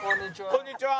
こんにちは。